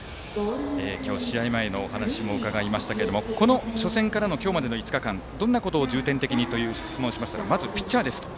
今日の試合前にお話を伺いまして初戦から今日までの５日間どんなことを重点的にいくかと質問しましたがまずピッチャーですと。